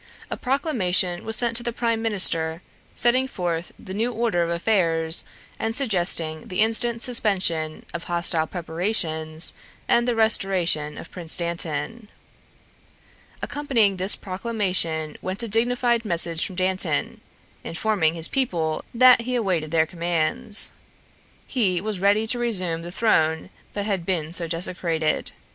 A proclamation was sent to the prime minister, setting forth the new order of affairs and suggesting the instant suspension of hostile preparations and the restoration of Prince Dantan. Accompanying this proclamation went a dignified message from Dantan, informing his people that he awaited their commands. He was ready to resume the throne that had been so desecrated.